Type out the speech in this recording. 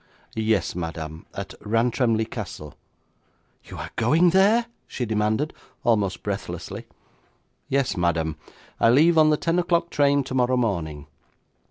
'Yes, madam, at Rantremly Castle.' 'You are going there?' she demanded, almost breathlessly. 'Yes, madam, I leave on the ten o'clock train tomorrow morning.